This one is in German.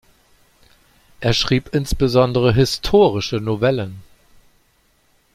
Er schrieb insbesondere historische Novellen.